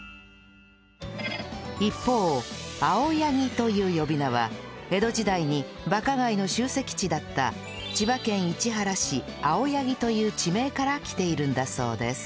一方あおやぎという呼び名は江戸時代にバカガイの集積地だった千葉県市原市青柳という地名からきているんだそうです